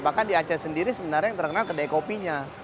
bahkan di aceh sendiri sebenarnya yang terkenal kedai kopinya